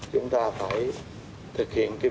thực hiện các giải pháp để giải quyết dứt điểm